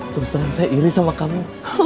terus terang saya iri sama kamu